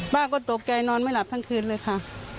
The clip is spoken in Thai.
ป้าก็ตกใจนอนไม่หลับทั้งคืนเลยค่ะ